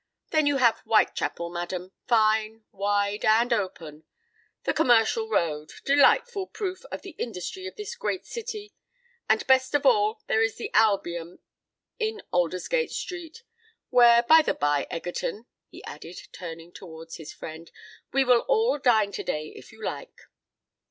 Then you have Whitechapel, madam;—fine—wide—and open: the Commercial Road—delightful proof of the industry of this great city;—and, best of all, there is the Albion in Aldersgate Street,—where, by the by, Egerton," he added, turning towards his friend, "we will all dine to day, if you like."